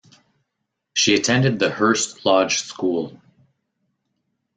She attended the Hurst Lodge School.